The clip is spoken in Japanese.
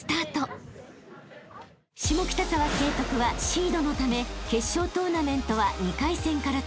［下北沢成徳はシードのため決勝トーナメントは２回戦から登場］